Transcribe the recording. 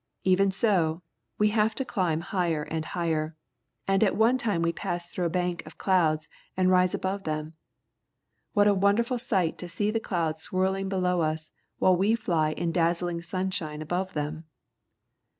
E\ en so, we have to climb higher and higher, and at one time we pass through a bank of clouds and rise above them. What a wonder ful sight to see the clouds swirling below us, while we fly in dazzling sunsliine above them!